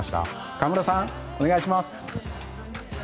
河村さん、お願いします。